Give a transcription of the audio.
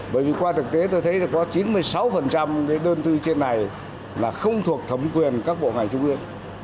bởi vì qua thực tế tôi thấy có chín mươi sáu đơn tư trên này là không thuộc thẩm quyền các bộ ngành trung ương